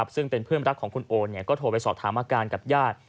ซึ่งเป็นเพื่อนรักของคุณโอก็โทรไปสอบถามอาการกับญาติ